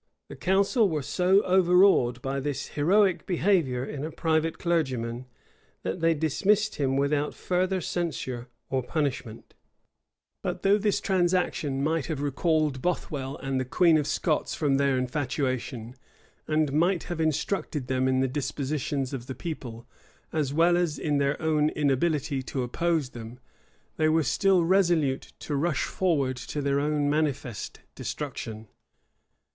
The council were so overawed by this heroic behavior in a private clergyman, that they dismissed him without further censure or punishment.[*] * Spotswood, p. 203. Anderson, vol. ii. p. 280. But though this transaction might have recalled Bothwell and the queen of Scots from their infatuation, and might have instructed them in the dispositions of the people, as well as in their own inability to oppose them, they were still resolute to rush forward to their own manifest destruction.